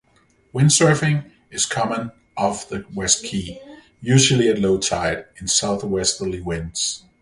Windsurfing is common off the West Quay, usually at low tide in southwesterly winds.